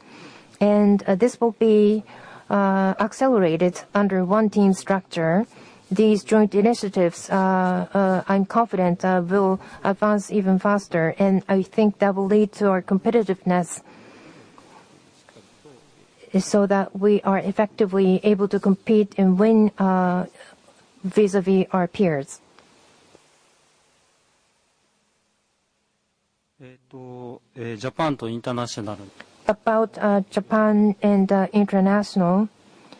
and this will be accelerated under one team structure. These joint initiatives, I'm confident, will advance even faster, and I think that will lead to our competitiveness so that we are effectively able to compete and win vis-à-vis our peers. About Japan and international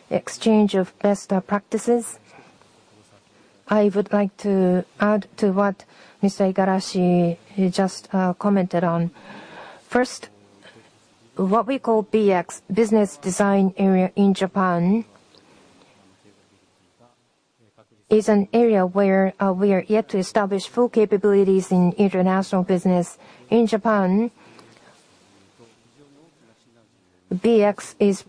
exchange of best practices, I would like to add to what Mr. Igarashi just commented on. First, what we call BX, business design area in Japan, is an area where we are yet to establish full capabilities in international business. In Japan, BX is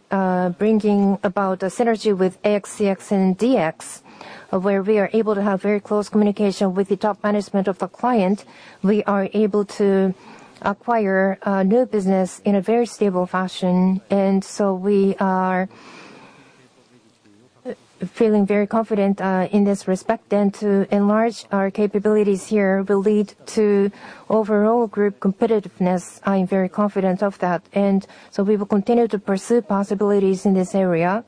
bringing about a synergy with AX, CX and DX, where we are able to have very close communication with the top management of a client. We are able to acquire new business in a very stable fashion. We are feeling very confident in this respect. To enlarge our capabilities here will lead to overall group competitiveness. I'm very confident of that. We will continue to pursue possibilities in this area.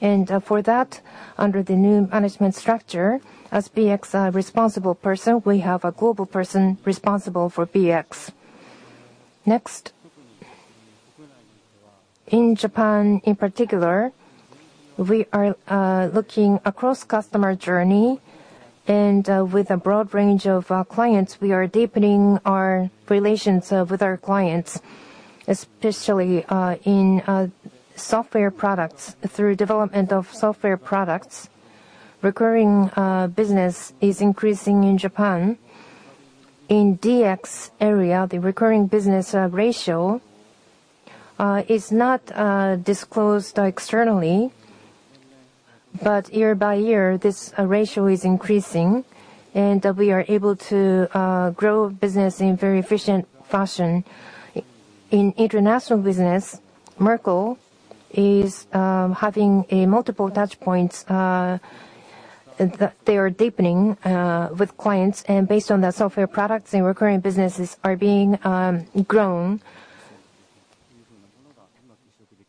For that, under the new management structure, as BX responsible person, we have a global person responsible for BX. Next, in Japan in particular, we are looking across customer journey, and with a broad range of clients, we are deepening our relations with our clients, especially in software products. Through development of software products, recurring business is increasing in Japan. In DX area, the recurring business ratio is not disclosed externally. Year by year, this ratio is increasing and we are able to grow business in very efficient fashion. In international business, Merkle is having multiple touchpoints, they are deepening with clients and based on their software products and recurring businesses are being grown.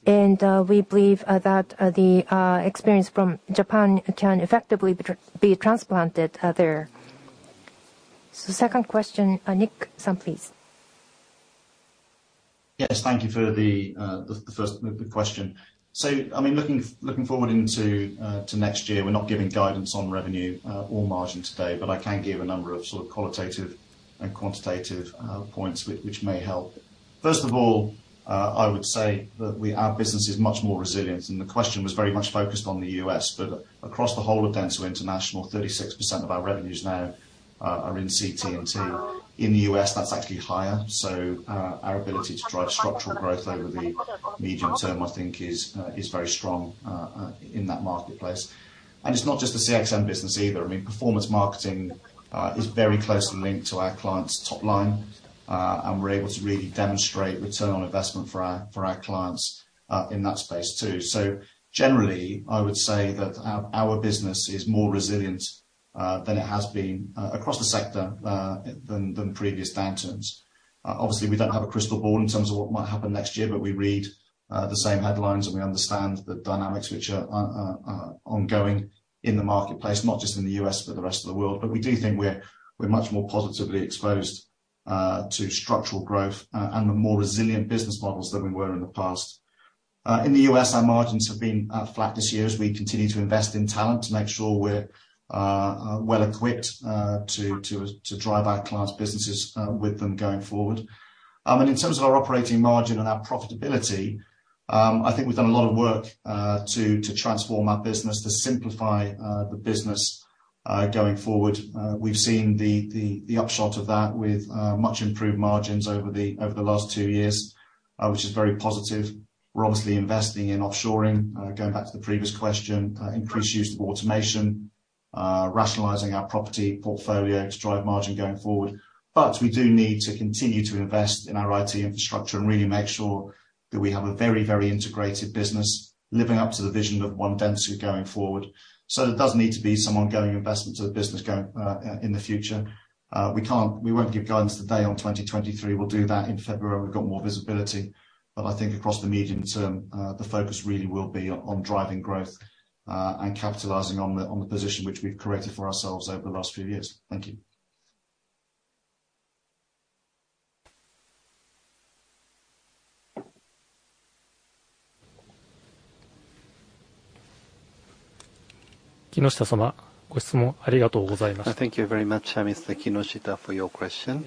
We believe that the experience from Japan can effectively be transplanted there. Second question, Nick Priday, please. Yes, thank you for the first question. I mean, looking forward to next year, we're not giving guidance on revenue or margin today, but I can give a number of sort of qualitative and quantitative points which may help. First of all, I would say that our business is much more resilient, and the question was very much focused on the U.S., but across the whole of Dentsu International, 36% of our revenues now are in CT&T. In the U.S., that's actually higher, so our ability to drive structural growth over the medium term, I think, is very strong in that marketplace. It's not just the CXM business either. I mean, performance marketing is very closely linked to our clients' top line, and we're able to really demonstrate return on investment for our clients in that space too. Generally, I would say that our business is more resilient than it has been across the sector than previous downturns. Obviously, we don't have a crystal ball in terms of what might happen next year, but we read the same headlines, and we understand the dynamics which are ongoing in the marketplace, not just in the U.S., but the rest of the world. We do think we're much more positively exposed to structural growth and the more resilient business models than we were in the past. In the U.S., our margins have been flat this year as we continue to invest in talent to make sure we're well equipped to drive our clients' businesses with them going forward. In terms of our operating margin and our profitability, I think we've done a lot of work to transform our business, to simplify the business going forward. We've seen the upshot of that with much improved margins over the last two years, which is very positive. We're obviously investing in offshoring, going back to the previous question, increased use of automation, rationalizing our property portfolio to drive margin going forward. We do need to continue to invest in our IT infrastructure and really make sure that we have a very, very integrated business living up to the vision of One Dentsu going forward. There does need to be some ongoing investment to the business going in the future. We won't give guidance today on 2023. We'll do that in February when we've got more visibility. I think across the medium term, the focus really will be on driving growth and capitalizing on the position which we've created for ourselves over the last few years. Thank you. Thank you very much, Mr. Kinoshita, for your question.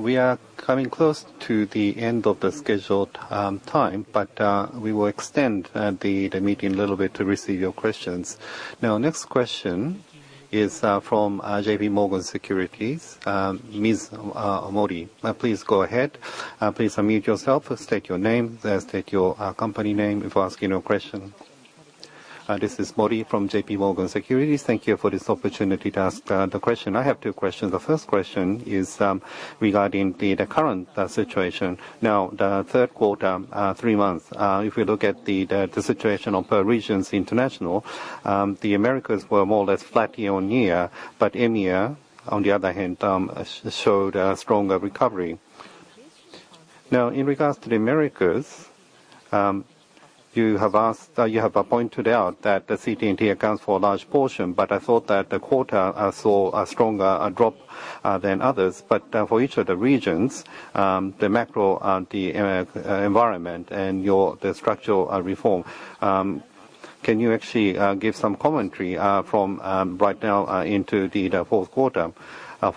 We are coming close to the end of the scheduled time, but we will extend the meeting a little bit to receive your questions. Now next question is from JPMorgan Securities, Ms. Mori. Please go ahead. Please unmute yourself. State your name, state your company name before asking your question. This is Mori from JPMorgan Securities. Thank you for this opportunity to ask the question. I have two questions. The first question is regarding the current situation. Now, the third quarter, three months, if we look at the situation of Dentsu International, Dentsu Americas were more or less flat year-over-year, but EMEA, on the other hand, showed a stronger recovery. Now, in regards to the Americas, you have pointed out that the CT&T accounts for a large portion, but I thought that the quarter saw a stronger drop than others. For each of the regions, the macro environment and your structural reform, can you actually give some commentary from right now into the fourth quarter? That's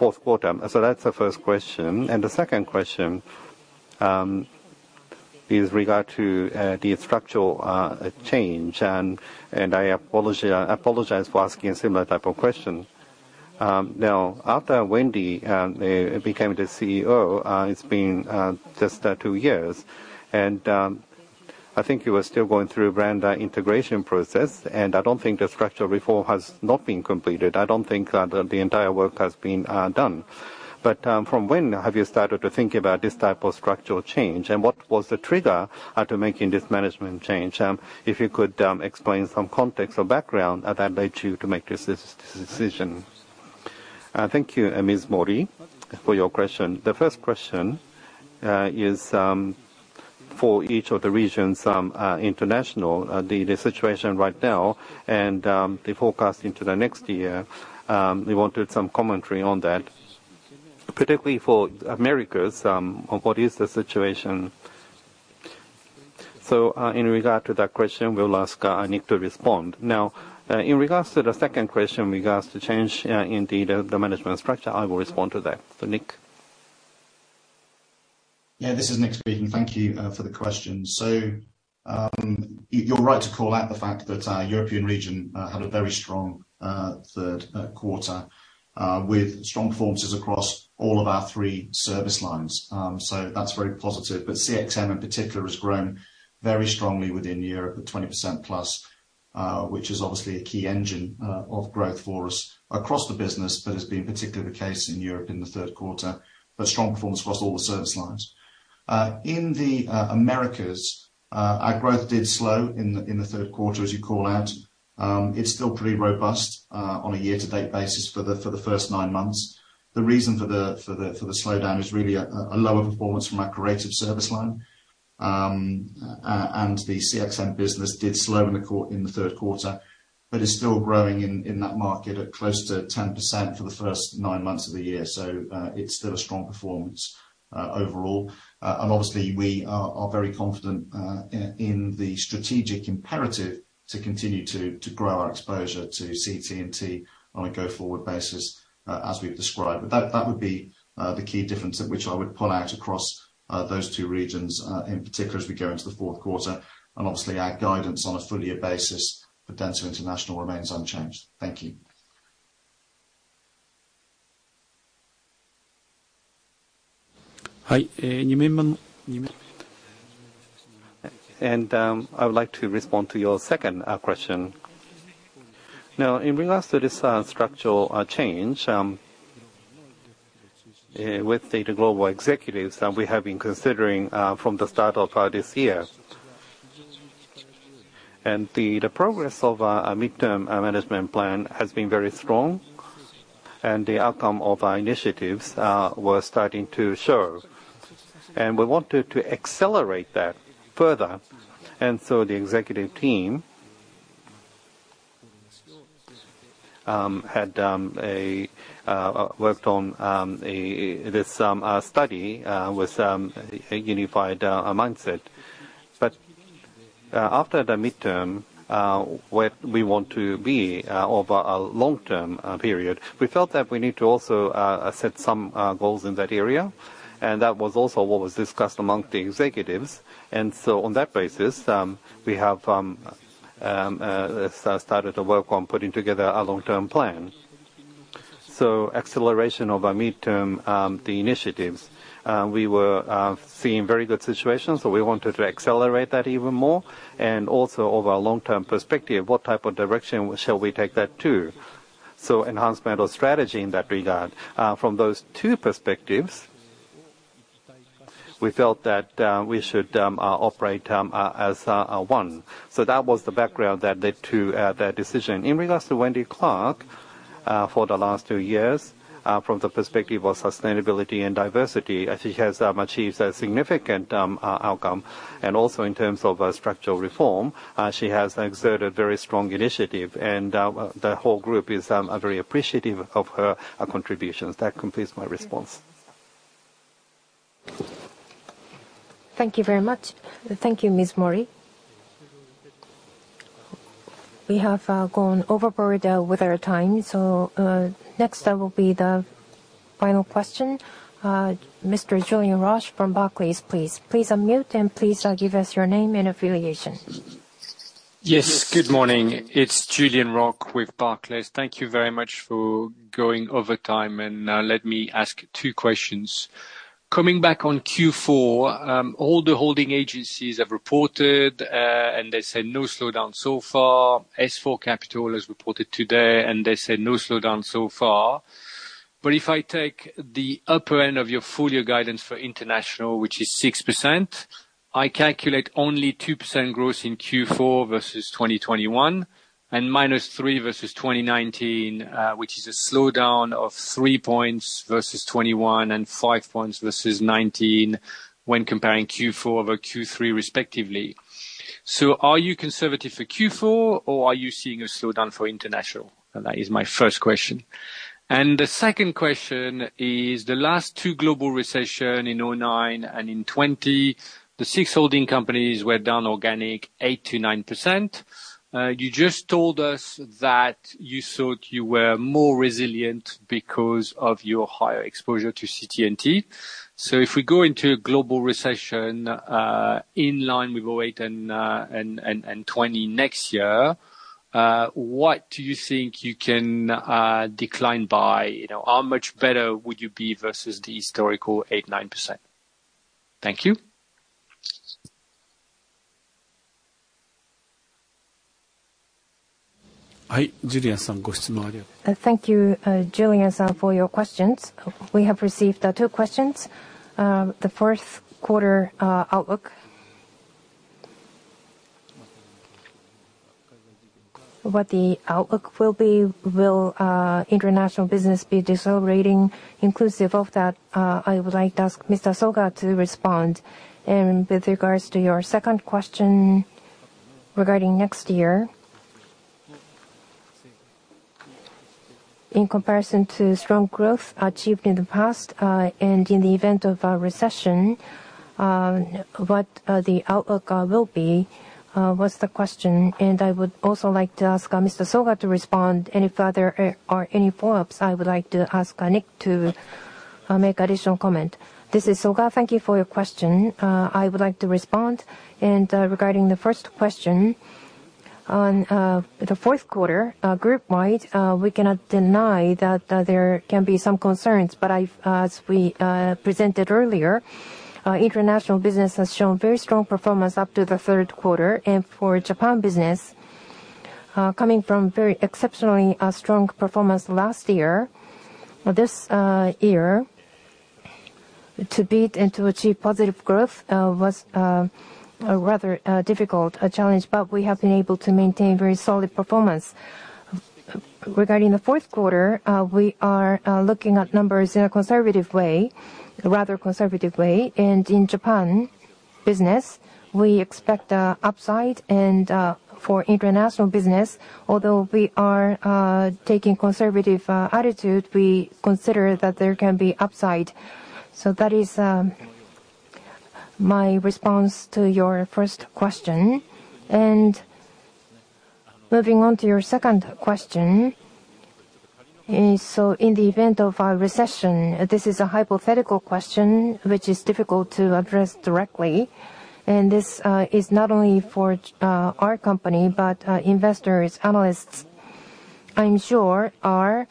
the first question. The second question is regarding the structural change. I apologize for asking a similar type of question. Now, after Wendy became the CEO, it's been just two years. I think you are still going through brand integration process, and I don't think the structural reform has not been completed. I don't think the entire work has been done. From when have you started to think about this type of structural change, and what was the trigger to making this management change? If you could explain some context or background that led you to make this decision. Thank you, Ms. Mori, for your question. The first question is for each of the regions international the situation right now and the forecast into the next year we wanted some commentary on that. Particularly for Americas, what is the situation? In regard to that question, we'll ask Nick to respond. Now, in regards to the second question regarding change, in the management structure, I will respond to that. Nick. Yeah. This is Nick speaking. Thank you for the question. You're right to call out the fact that our European region had a very strong third quarter with strong performances across all of our three service lines. That's very positive. CXM in particular has grown very strongly within Europe at 20%+, which is obviously a key engine of growth for us across the business, but has been particularly the case in Europe in the third quarter. Strong performance across all the service lines. In the Americas, our growth did slow in the third quarter, as you call out. It's still pretty robust on a year-to-date basis for the first nine months. The reason for the slowdown is really a lower performance from our creative service line. The CXM business did slow in the third quarter, but is still growing in that market at close to 10% for the first nine months of the year. It's still a strong performance overall. Obviously we are very confident in the strategic imperative to continue to grow our exposure to CT&T on a go-forward basis as we've described. That would be the key difference at which I would pull out across those two regions in particular as we go into the fourth quarter. Obviously our guidance on a full year basis for Dentsu International remains unchanged. Thank you. I would like to respond to your second question. Now, in regard to this structural change with the global executives that we have been considering from the start of this year. The progress of our midterm management plan has been very strong. The outcome of our initiatives were starting to show. We wanted to accelerate that further. The executive team had worked on this study with a unified mindset. After the midterm, where we want to be over a long-term period, we felt that we need to also set some goals in that area. That was also what was discussed among the executives. On that basis, we have started to work on putting together a long-term plan. Acceleration of our midterm initiatives, we were seeing very good situations, so we wanted to accelerate that even more. Over a long-term perspective, what type of direction shall we take that to? Enhancement or strategy in that regard. From those two perspectives, we felt that we should operate as one. That was the background that led to that decision. In regards to Wendy Clark, for the last two years, from the perspective of sustainability and diversity, she has achieved a significant outcome. In terms of a structural reform, she has exerted very strong initiative. The whole group is very appreciative of her contributions. That completes my response. Thank you very much. Thank you, Ms. Mori. We have gone overboard with our time. Next will be the final question. Mr. Julien Roch from Barclays, please. Please unmute, and please give us your name and affiliation. Yes. Good morning. It's Julien Roch with Barclays. Thank you very much for going over time. Now let me ask two questions. Coming back on Q4, all the holding agencies have reported, and they said no slowdown so far. S4 Capital has reported today, and they said no slowdown so far. If I take the upper end of your full-year guidance for international, which is 6%, I calculate only 2% growth in Q4 versus 2021, and -3 versus 2019. Which is a slowdown of 3 points versus 2021 and 5 points versus 2019 when comparing Q4 over Q3 respectively. Are you conservative for Q4, or are you seeing a slowdown for international? That is my first question. The second question is the last two global recession in 2009 and in 2020, the six holding companies were down organic 8%-9%. You just told us that you thought you were more resilient because of your higher exposure to CT&T. If we go into a global recession in line with 2008 and 2020 next year, what do you think you can decline by? You know, how much better would you be versus the historical 8%-9%? Thank you. Thank you, Julien-san, for your questions. We have received two questions. The first quarter outlook. What the outlook will be. Will international business be decelerating inclusive of that? I would like to ask Mr. Soga to respond. With regards to your second question regarding next year. In comparison to strong growth achieved in the past, and in the event of a recession, what the outlook will be was the question. I would also like to ask Mr. Soga to respond. Any further or any follow-ups, I would like to ask Nick to make additional comment. This is Soga. Thank you for your question. I would like to respond. Regarding the first question on the fourth quarter, group wide, we cannot deny that there can be some concerns. As we presented earlier, international business has shown very strong performance up to the third quarter. For Japan business, coming from very exceptionally strong performance last year, this year to beat and to achieve positive growth was A rather difficult challenge, but we have been able to maintain very solid performance. Regarding the fourth quarter, we are looking at numbers in a conservative way, rather conservative way. In Japan business, we expect a upside. For international business, although we are taking conservative attitude, we consider that there can be upside. That is my response to your first question. Moving on to your second question. In the event of a recession, this is a hypothetical question which is difficult to address directly, and this is not only for our company, but investors, analysts, I'm sure are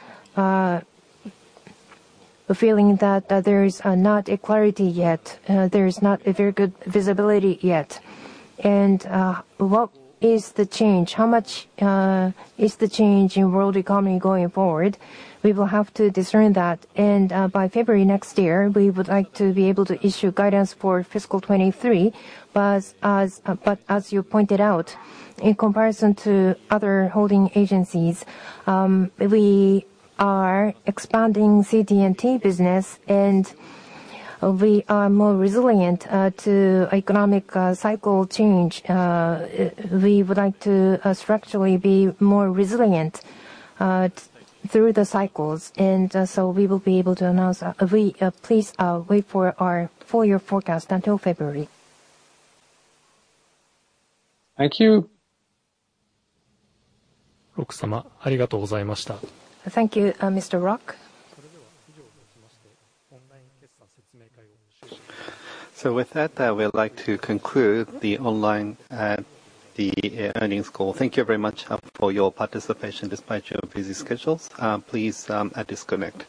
feeling that there is not a clarity yet. There is not a very good visibility yet. What is the change? How much is the change in world economy going forward? We will have to discern that. By February next year, we would like to be able to issue guidance for fiscal 2023. But as you pointed out, in comparison to other holding agencies, we are expanding CT&T business, and we are more resilient to economic cycle change. We would like to structurally be more resilient through the cycles. Please wait for our full year forecast until February. Thank you. Thank you, Mr. Roch. With that, I would like to conclude the online earnings call. Thank you very much for your participation despite your busy schedules. Please disconnect.